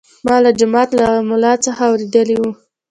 ما له جومات له ملا څخه اورېدلي وو.